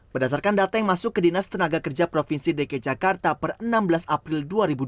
berdasarkan data yang masuk ke dinas tenaga kerja provinsi dki jakarta per enam belas april dua ribu dua puluh